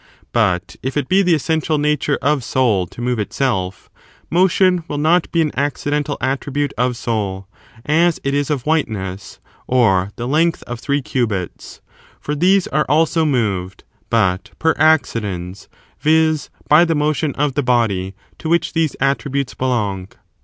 But, if it be the essential nature of soul to move itself, motion will not be an accidental attribute of soul, as it is of whiteness or the length of three cubits; for these are also moved, but per acczdens, viz. by the motion of the body to which these attributes belong.